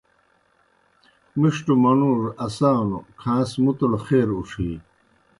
مِݜٹوْ منُوڙوْ اسا نوْ کھاݩس مُتوْڑ خیر اُڇِھی